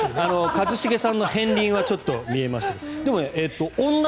一茂さんの片りんはちょっと見えましたけど。